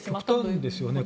極端ですよね。